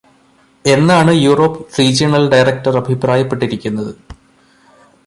എന്നാണ് Europe regional director അഭിപ്രായപ്പെട്ടിരിക്കുന്നത്